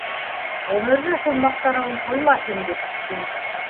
Ғүмеренә шул маҡтаныуын ҡуймаҫ инде, — тине.